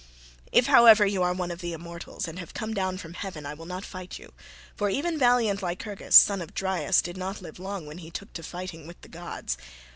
If, however, you are one of the immortals and have come down from heaven, I will not fight you; for even valiant Lycurgus, son of Dryas, did not live long when he took to fighting with the gods.